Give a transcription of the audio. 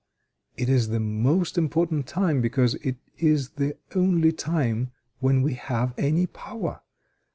It is the most important time because it is the only time when we have any power.